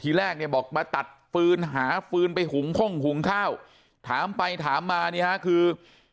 แรกเนี่ยบอกมาตัดฟืนหาฟืนไปหุงข้งหุงข้าวถามไปถามมานี่ฮะคือ